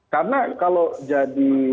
karena kalau jadi